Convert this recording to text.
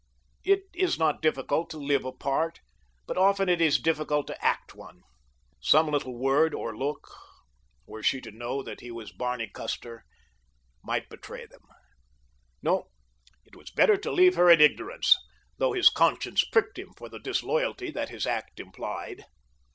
It is not difficult to live a part, but often it is difficult to act one. Some little word or look, were she to know that he was Barney Custer, might betray them; no, it was better to leave her in ignorance, though his conscience pricked him for the disloyalty that his act implied.